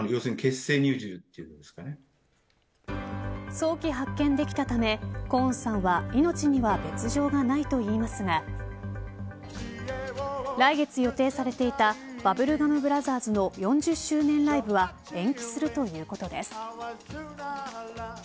早期発見できたためコーンさんは命には別条がないといいますが来月予定されていたバブルガム・ブラザーズの４０周年ライブは延期するということです。